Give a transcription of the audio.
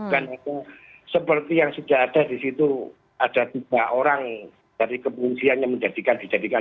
karena itu seperti yang sudah ada di situ ada tiga orang dari kebunsihan yang menjadikan